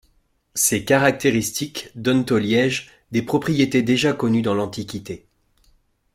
Ces caractéristiques donnent au liège des propriétés déjà connues dans l’Antiquité.